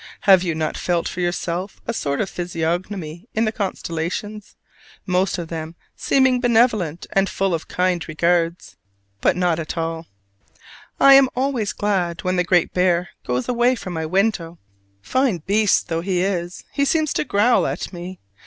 Have you not felt for yourself a sort of physiognomy in the constellations, most of them seeming benevolent and full of kind regards: but not all? I am always glad when the Great Bear goes away from my window, fine beast though he is: he seems to growl at me!